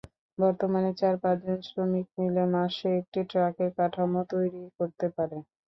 বর্তমানে চার-পাঁচজন শ্রমিক মিলে মাসে একটি ট্রাকের কাঠামো তৈরি করতে পারেন।